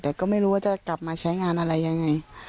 แต่ก็ไม่รู้ว่าจะกลับมาใช้งานอะไรยังไง